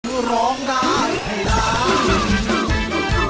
เพื่อร้องได้ให้ร้อง